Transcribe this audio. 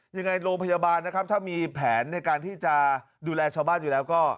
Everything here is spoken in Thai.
ยังไงโรงพยาบาลนะครับถ้ามีแผนในการที่จะดูแลชาวบ้านอยู่แล้วก็